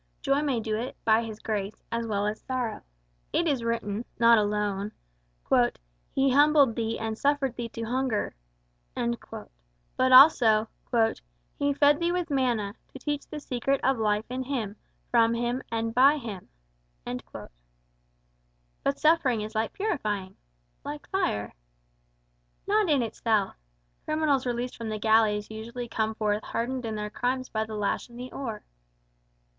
Joy may do it, by his grace, as well as sorrow. It is written, not alone, 'He humbled thee and suffered thee to hunger,' but also, 'He fed thee with manna, to teach the secret of life in him, from him, and by him.'" "But suffering is purifying like fire." "Not in itself. Criminals released from the galleys usually come forth hardened in their crimes by the lash and the oar."